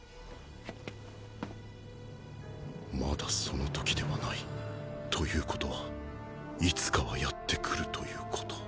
「まだその時ではない」ということはいつかはやって来るという事